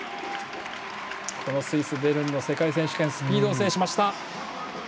このスイス・ベルンの世界選手権スピードを制しました！